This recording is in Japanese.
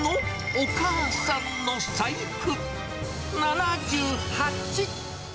お母さんの財布７８。